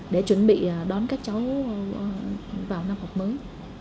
để chuẩn bị đón các cháu vào năm học mới